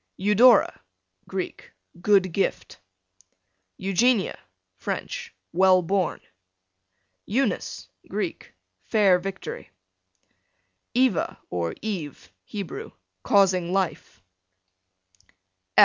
Eudora, Greek, good gift. Eugenia, French, well born. Eunice, Greek, fair victory. Eva, or Eve, Hebrew, causing life.